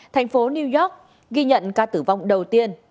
thành phố new york ghi nhận ca tử vong đầu tiên